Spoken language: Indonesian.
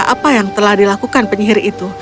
apa yang telah dilakukan penyihir itu